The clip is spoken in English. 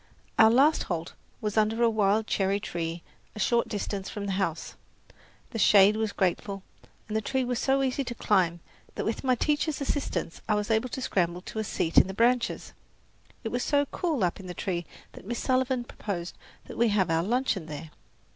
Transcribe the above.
Our last halt was under a wild cherry tree a short distance from the house. The shade was grateful, and the tree was so easy to climb that with my teacher's assistance I was able to scramble to a seat in the branches. It was so cool up in the tree that Miss Sullivan proposed that we have our luncheon there.